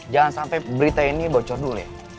jangan sampai berita ini bocor dulu